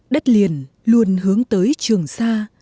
đất liền luôn hướng tới trường xa